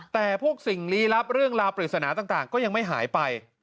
แต่พวกสิ่งลี้ลับเรื่องราวปริศนาต่างก็ยังไม่หายไป